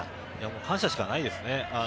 感謝しかないですね。